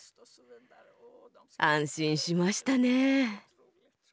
安心しましたね。